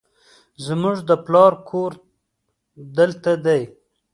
زموږ د پلار کور دلته دی